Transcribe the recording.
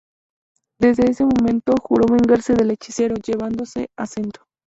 Desde ese momento juró vengarse del hechicero, llevándose a Sento.